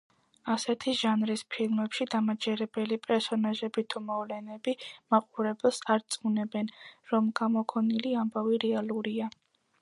ასეთი ჟანრის ფილმებში დამაჯერებელი პერსონაჟები თუ მოვლენები მაყურებელს არწმუნებენ, რომ გამოგონილი ამბავი რეალურია.